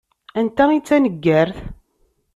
Anta i d taneggart?